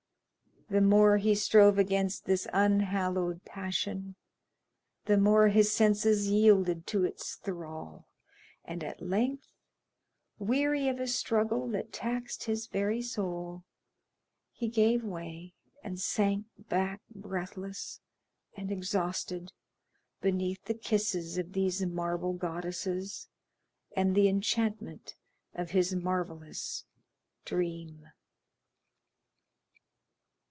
The more he strove against this unhallowed passion the more his senses yielded to its thrall, and at length, weary of a struggle that taxed his very soul, he gave way and sank back breathless and exhausted beneath the kisses of these marble goddesses, and the enchantment of his marvellous dream.